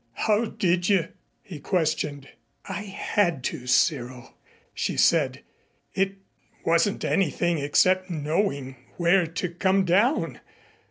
How did you?" he questioned. "I had to, Cyril," she said. "It wasn't anything except knowing where to come down.